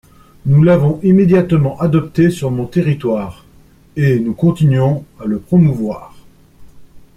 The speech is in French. Nous l’avons immédiatement adopté sur mon territoire, et nous continuons à le promouvoir.